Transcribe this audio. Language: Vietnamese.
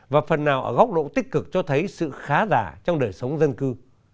và phần nào ở góc độ tích cực cho thấy sự khá giả trong đời sống dân cư